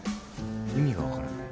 意味が分からない。